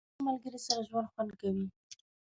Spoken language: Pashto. • له ښه ملګري سره ژوند خوند کوي.